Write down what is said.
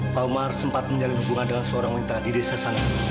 pak umar sempat menjalin hubungan dengan seorang wanita di desa sana